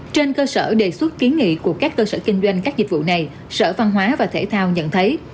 trên cơ sở đề xuất kiến nghị của các cơ sở kinh doanh các dịch vụ này sở văn hóa và thể thao nhận thấy